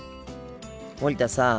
森田さん